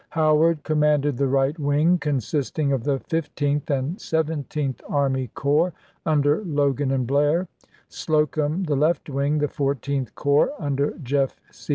Howard commanded the right wing, consisting of the Fif teenth and Seventeenth Army Corps, under Logan and Blair; Slocum the left wing, the Fourteenth ♦'Memoirs.'" Corps, under Jeff. C.